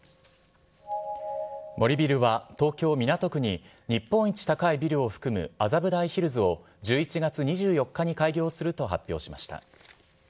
森ビルは東京・港区に、日本一高いビルを含む麻布台ヒルズを１１月２４日に開業すると発表しました。